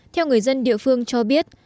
theo người dân địa phương cho biết